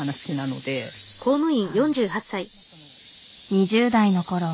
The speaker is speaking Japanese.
２０代のころ